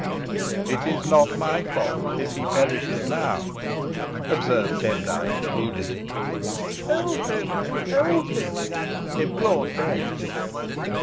"It is not my fault if he perishes now," observed Demdike, moodily. "Help him help him!" implored Bess.